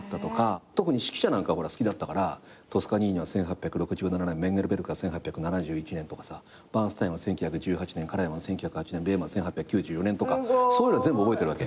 特に指揮者なんか好きだったからトスカニーニは１８６７年メンゲルベルクは１８７１年とかさバーンスタインは１９１８年カラヤンは１９０８年ベームは１８９４年とかそういうのは全部覚えてるわけ。